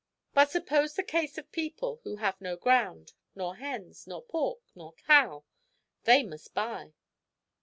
"But suppose the case of people who have no ground, nor hens, nor pork, nor cow? they must buy."